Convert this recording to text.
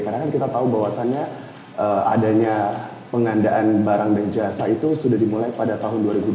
karena kan kita tahu bahwasannya adanya pengandaan barang dan jasa itu sudah dimulai pada tahun dua ribu dua puluh satu